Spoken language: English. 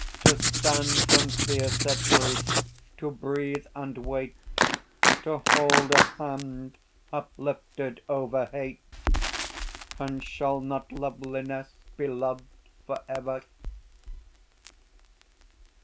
To stand from fear set free, to breathe and wait; To hold a hand uplifted over Hate; And shall not Loveliness be loved for ever?